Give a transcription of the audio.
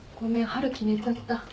春樹寝ちゃった。